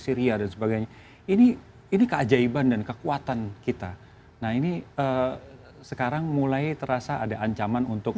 syria dan sebagainya ini ini keajaiban dan kekuatan kita nah ini sekarang mulai terasa ada ancaman untuk